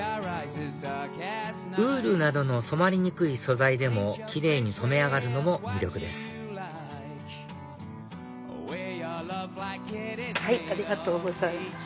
ウールなどの染まりにくい素材でもキレイに染め上がるのも魅力ですありがとうございます。